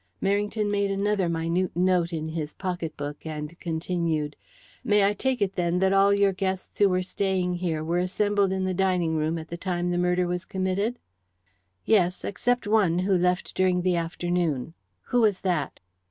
Merrington made another minute note in his pocket book, and continued, "May I take it, then, that all your guests who were staying here were assembled in the dining room at the time the murder was committed?" "Yes; except one who left during the afternoon." "Who was that?"